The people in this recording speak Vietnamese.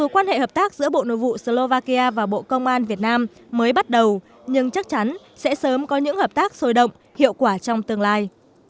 quan hệ hợp tác giữa bộ nội vụ slovakia và bộ công an việt nam mới bắt đầu nhưng chắc chắn sẽ sớm có những hợp tác sôi động hiệu quả trong tương lai